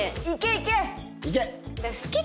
いけ！